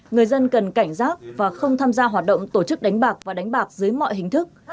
người dân cần cảnh giác và không tham gia hoạt động tổ chức đánh bạc và đánh bạc dưới mọi hình thức